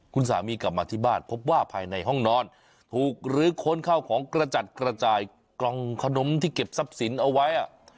คุณสามีกลับมาที่บ้านพบว่าภายในห้องนอนถูกลื้อค้นเข้าของกระจัดกระจายกล่องขนมที่เก็บทรัพย์สินเอาไว้